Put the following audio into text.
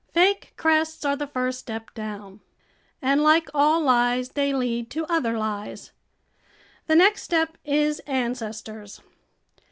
Fake crests are the first step down, and like all lies they lead to other lies. The next step is ancestors.